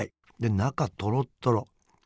中トロトロ。